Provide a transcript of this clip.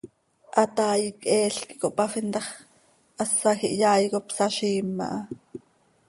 Hataai cheel quih cohpaafin ta x, hasaj ihyaai cop saziim aha.